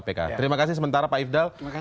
kpk terima kasih sementara pak ifdal terima kasih